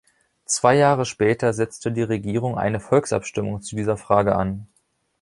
Zwei Jahre später setzte die Regierung eine Volksabstimmung zu dieser Frage an.